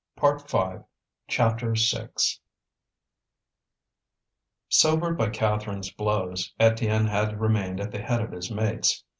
bread! bread!" CHAPTER VI Sobered by Catherine's blows, Étienne had remained at the head of his mates.